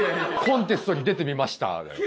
「コンテストに出てみました」だよ。